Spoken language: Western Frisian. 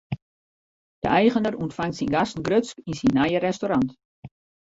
De eigener ûntfangt syn gasten grutsk yn syn nije restaurant.